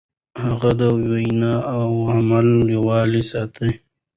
هغه د وينا او عمل يووالی ساته.